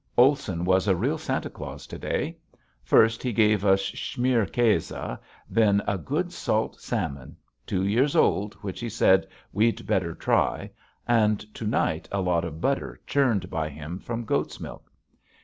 Olson was a real Santa Claus to day. First he gave us Schmier Kase, then a good salt salmon two years old which he said we'd "better try" and to night a lot of butter churned by him from goat's milk.